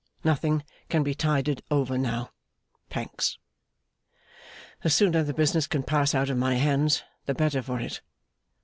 Nothing can be tided over now, Pancks. The sooner the business can pass out of my hands, the better for it.